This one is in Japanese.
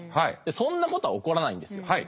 そんなことは起こらないんですよ。